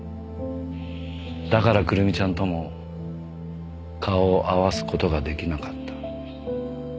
だから玖瑠美ちゃんとも顔を合わす事が出来なかった。